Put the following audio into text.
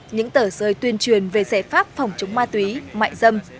những tờ rơi tuyên truyền về giải pháp phòng chống ma túy mại dâm